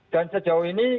dan sejauh ini